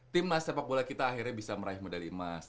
timnas sepak bola kita akhirnya bisa meraih medali emas